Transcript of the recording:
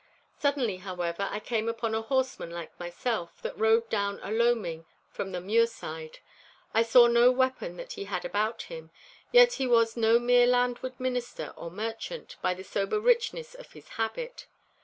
Suddenly, however, I came upon a horseman like myself, that rode down a loaning from the muirside. I saw no weapon that he had about him, yet he was no mere landward minister or merchant, by the sober richness of his habit.